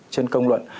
trên công luận